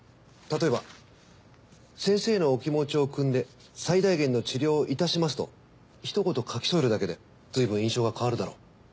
例えば「先生のお気持ちを汲んで最大限の治療をいたします」とひと言書き添えるだけでずいぶん印象が変わるだろ。